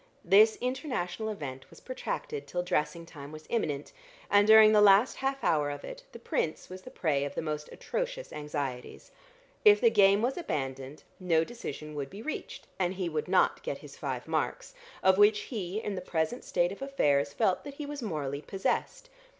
This international event was protracted till dressing time was imminent, and during the last half hour of it the Prince was the prey of the most atrocious anxieties. If the game was abandoned, no decision would be reached, and he would not get his five marks, of which he, in the present state of affairs, felt that he was morally possessed.